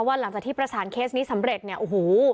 หลังจากที่ประสานเคสนี้สำเร็จเนี่ยโอ้โห